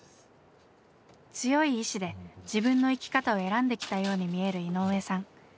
強い意志で自分の生き方を選んできたように見える井上さん。